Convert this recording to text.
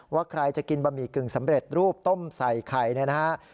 ว่าใครจะกินบะหมี่กึ่งสำเร็จรูปต้มใส่ไข่นะครับ